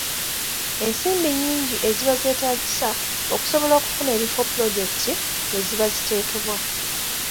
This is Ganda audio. Ensimbi nnyingi eziba zeetaagisa okusobola okufuna ebifo pulojekiti we ziba ziteekebwa.